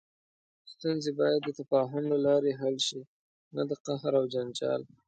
ستونزې باید د تفاهم له لارې حل شي، نه د قهر او جنجال.